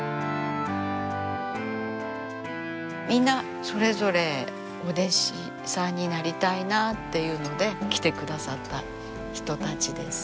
みんなそれぞれお弟子さんになりたいなっていうので来てくださった人たちです。